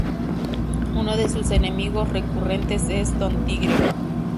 Uno de sus enemigos recurrentes es Don Tigre.